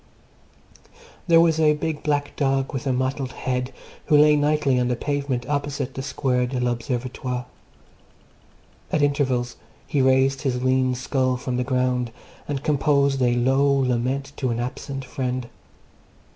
There was a big black dog with a mottled head who lay nightly on the pavement opposite the Square de l'Observatoire. At intervals he raised his lean skull from the ground and composed a low lament to an absent friend.